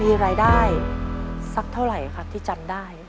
มีรายได้สักเท่าไหร่ครับที่จำได้